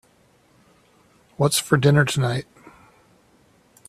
What's for dinner tonight?